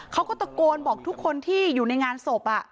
เขาก็ตะโกนบอกทุกคนที่อยู่ในงานศพ